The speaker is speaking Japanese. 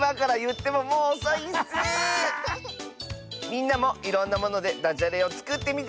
みんなもいろんなものでだじゃれをつくってみてね！